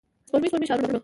د سپوږمۍ، سپوږمۍ ښارونو